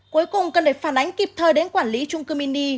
cuối cùng cần để phản ánh kịp thời đến quản lý trung cư mini